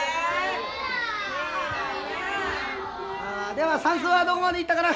では算数はどこまで行ったかな？